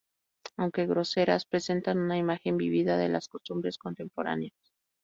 Aunque groseras, presentan una imagen vívida de las costumbres contemporáneas.